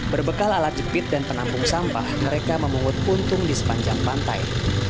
berbekal alat jepit dan penampung sampah mereka memungut puntung di sepanjang pantai